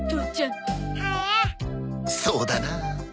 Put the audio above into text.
そうだな。